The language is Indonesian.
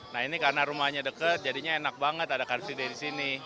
nah ini karena rumahnya deket jadinya enak banget ada car free day di sini